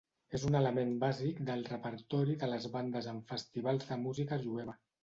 És un element bàsic del repertori de les bandes en festivals de música jueva.